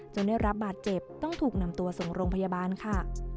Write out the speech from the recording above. ได้รับบาดเจ็บต้องถูกนำตัวส่งโรงพยาบาลค่ะ